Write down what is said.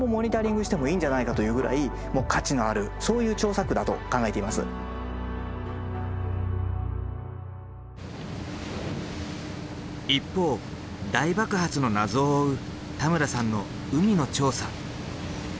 そのことを考えると一方大爆発の謎を追う田村さんの海の調査。